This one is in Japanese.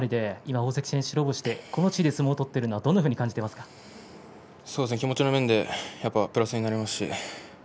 大関戦白星、この地位で相撲を取っているのは気持ちのうえでプラスになります。